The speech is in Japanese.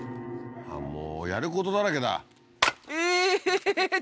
もうやることだらけだうわ